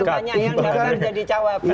iya banyak yang jadi cawapres